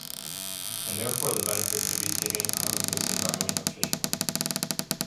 And therefore the benefit could be taken out from this environment efficiently.